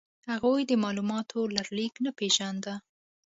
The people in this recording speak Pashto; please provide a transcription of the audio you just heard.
هغوی د مالوماتو لړلیک نه پېژانده.